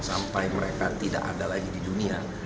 sampai mereka tidak ada lagi di dunia